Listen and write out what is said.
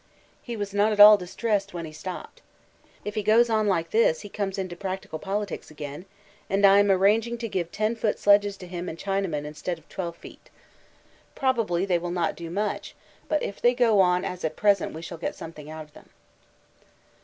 He was not at all distressed when he stopped. If he goes on like this he comes into practical politics again, and I am arranging to give 10 feet sledges to him and Chinaman instead of 12 feet. Probably they will not do much, but if they go on as at present we shall get something out of them.